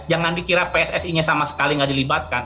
jangan dikira pssi nya sama sekali nggak dilibatkan